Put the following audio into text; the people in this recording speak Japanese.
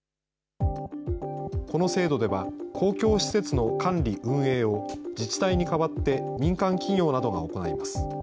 この制度では、公共施設の管理・運営を自治体に代わって民間企業などが行います。